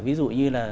ví dụ như là